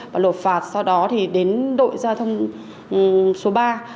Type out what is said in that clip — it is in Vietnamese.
và lột phạt sau đó thì đến đội giao thông số ba